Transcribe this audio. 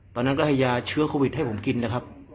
ตอนนั้นก็ให้ยาเชื้อโควิดให้ผมกินนะครับ